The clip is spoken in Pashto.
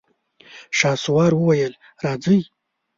شهسوار وويل: راځئ!